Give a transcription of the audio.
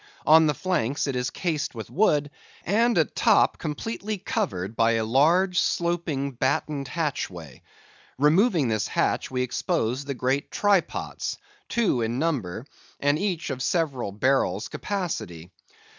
On the flanks it is cased with wood, and at top completely covered by a large, sloping, battened hatchway. Removing this hatch we expose the great try pots, two in number, and each of several barrels' capacity.